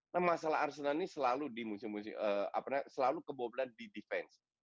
nah masalah arsenal ini selalu kebobolan di defense